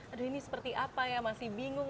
aduh ini seperti apa ya masih bingung